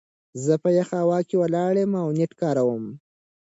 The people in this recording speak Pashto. زه په يخه هوا کې ولاړ يم او نيټ کاروم.